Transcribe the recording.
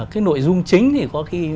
cái nội dung chính thì có khi